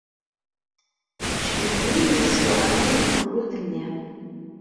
Ceyyben-iyi yisuɣan n wegrud-nni.